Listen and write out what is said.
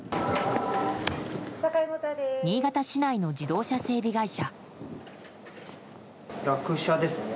新潟市内の自動車整備会社。